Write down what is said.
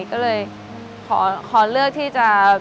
ก็เลยขอเลือกที่จะ